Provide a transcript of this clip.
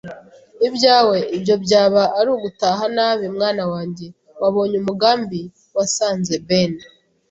ibyawe? Ibyo byaba ari ugutaha nabi, mwana wanjye. Wabonye umugambi; wasanze Ben